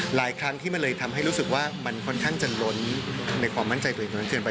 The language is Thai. หลายครั้งที่มันเลยทำให้รู้สึกว่ามันค่อนข้างจะล้นในความมั่นใจตัวเองตรงนั้นเกินไป